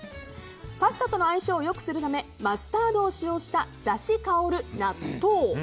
パスタとの相性を良くするためマスタードを使用しただし香る納豆。